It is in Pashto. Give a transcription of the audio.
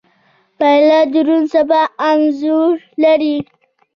پیاله د روڼ سبا انتظار لري.